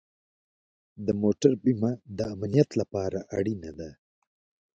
د موټر بیمه د امنیت لپاره اړینه ده.